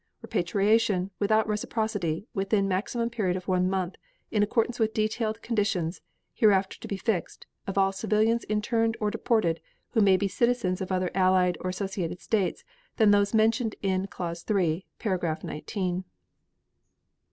Repatriation, without reciprocity, within maximum period of one month, in accordance with detailed conditions hereafter to be fixed, of all civilians interned or deported who may be citizens of other Allied or associated states than those mentioned in clause three, paragraph nineteen.